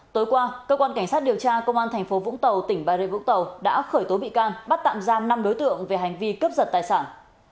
tối qua cơ quan cảnh sát điều tra công an tp vũng tàu tỉnh bà rịa vũng tàu đã khởi tố bị can bắt tạm giam năm đối tượng về hành vi cấp giật tài sản